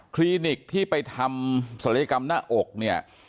ลินิกที่ไปทำศัลยกรรมหน้าอกเนี่ย